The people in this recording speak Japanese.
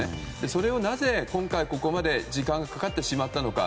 それをなぜ、今回ここまで時間がかかってしまったのか。